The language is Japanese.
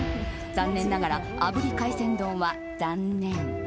残念ながら炙り海鮮丼は断念。